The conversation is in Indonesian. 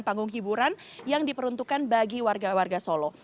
panggung hiburan yang diperuntukkan bagi warga warga solo